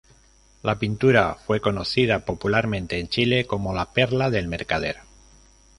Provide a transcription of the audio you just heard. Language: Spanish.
La pintura fue conocida popularmente en Chile como "La perla del mercader".